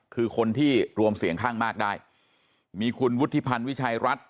คือคนที่รวมเสียงข้างมากได้มีคุณวุฒิพันธ์วิชัยรัฐ